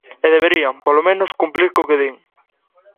E deberían, polo menos, cumprir co que din.